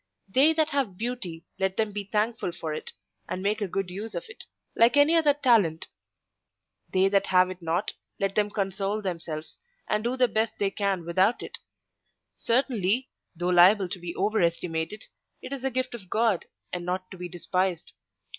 They that have beauty, let them be thankful for it, and make a good use of it, like any other talent; they that have it not, let them console themselves, and do the best they can without it: certainly, though liable to be over estimated, it is a gift of God, and not to be despised.